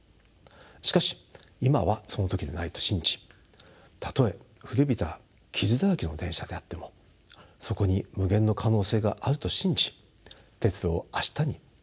しかし今はその時ではないと信じたとえ古びた傷だらけの電車であってもそこに無限の可能性があると信じ鉄路を明日につないでまいりたいと思います。